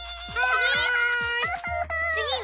はい。